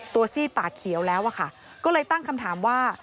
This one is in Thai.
ซีดปากเขียวแล้วอะค่ะก็เลยตั้งคำถามว่า